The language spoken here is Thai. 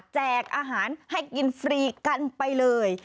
อาหารให้กินฟรีกันไปเลย